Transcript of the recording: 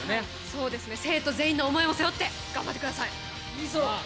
そうですね、生徒全員の思いを背負って頑張ってください。